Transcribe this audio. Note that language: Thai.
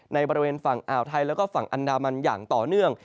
ในบริเวณฝั่งอ่าวไทยแล้วก็ฝั่งอันดามันอย่างต่อเนื่อง